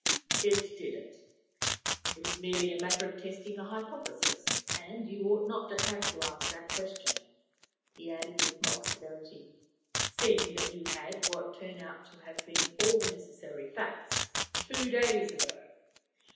"It didn't. It was merely a matter of testing a hypothesis; and you ought not to have to ask that question," he added, with mock severity, "seeing that you had what turn out to have been all the necessary facts, two days ago.